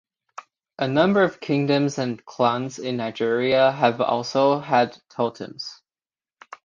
A number of kingdoms and clans in Nigeria have also had totems.